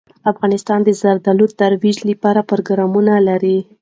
افغانستان د زردالو د ترویج لپاره پروګرامونه لري.